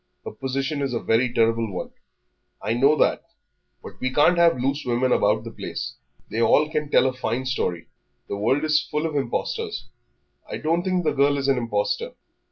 Her position is a very terrible one." "I know that.... But we can't have loose women about the place. They all can tell a fine story; the world is full of impostors." "I don't think the girl is an impostor."